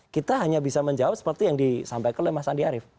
kita hanya bisa menjawab seperti yang disampaikan oleh mas andi arief